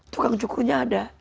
tukang cukurnya ada